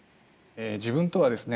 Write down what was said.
自分とはですね